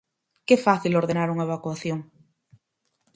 Que fácil ordenar unha evacuación!